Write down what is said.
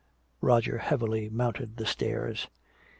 Roger heavily mounted the stairs.